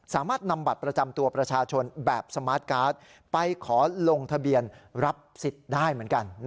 สามารถนำบัตรประจำตัวประชาชนแบบสมาร์ทการ์ดไปขอลงทะเบียนรับสิทธิ์ได้เหมือนกัน